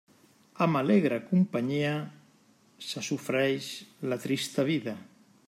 Amb alegre companyia, se sofreix la trista vida.